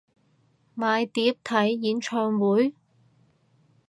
買碟睇演唱會？